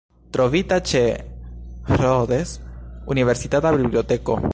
Trovita ĉe Rhodes Universitata Biblioteko.